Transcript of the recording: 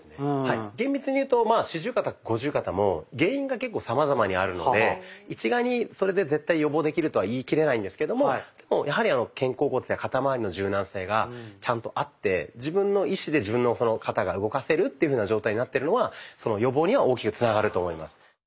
厳密にいうと四十肩五十肩も原因が結構さまざまにあるので一概にそれで絶対予防できるとは言い切れないんですけどもでもやはり肩甲骨や肩まわりの柔軟性がちゃんとあって自分の意思で自分の肩が動かせるというふうな状態になってるのはその予防には大きくつながると思います。